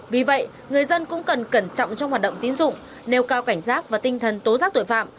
vì vậy người dân cũng cần cẩn trọng trong hoạt động tín dụng nêu cao cảnh giác và tinh thần tố giác tội phạm